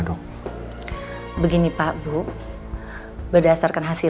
lu lagi banyak pikiran kan